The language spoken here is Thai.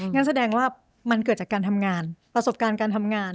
งั้นแสดงว่ามันเกิดจากการทำงานประสบการณ์การทำงาน